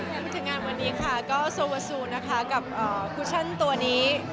คุณผู้ถึงงานวันนี้ค่ะก็โซเวอร์ซูนะคะกับคุชชั่นตัวนี้